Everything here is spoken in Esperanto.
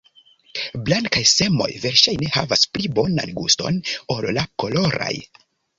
Blankaj semoj verŝajne havas pli bonan guston ol la koloraj.